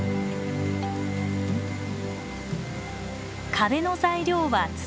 壁の材料は土。